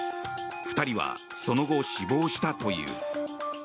２人はその後、死亡したという。